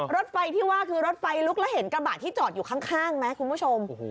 รถไฟที่ว่าคือรถไฟลุกแล้วเห็นกระบะที่จอดอยู่ข้างไหมคุณผู้ชม